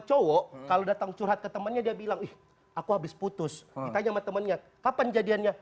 cowok kalau datang curhat ke temennya dia bilang ih aku habis putus tanya temennya kapan jadiannya